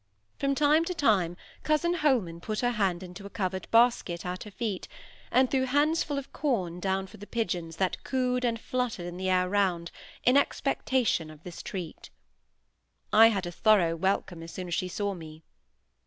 From time to time cousin Holman put her hand into a covered basket at her feet, and threw handsful of corn down for the pigeons that cooed and fluttered in the air around, in expectation of this treat. I had a thorough welcome as soon as she saw me.